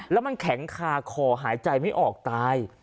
แล้วมันแข็งคาคอหายใจไม่ออกตาย